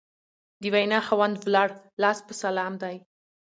د وینا خاوند ولاړ لاس په سلام دی